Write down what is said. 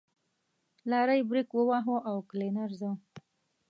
لارۍ برېک وواهه او کلينر زه.